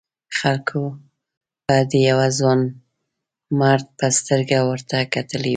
خلکو به د یوه ځوانمرد په سترګه ورته کتلي وي.